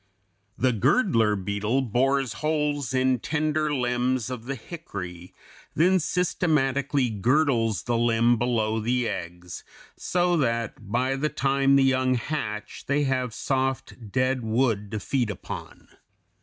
] The girdler beetle bores holes in tender limbs of the hickory, then systematically girdles the limb below the eggs, so that by the time the young hatch they have soft, dead wood to feed upon.